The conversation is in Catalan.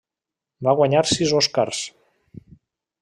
Va guanyar sis Oscars.